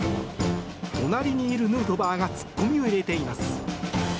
隣にいるヌートバーがツッコミを入れています。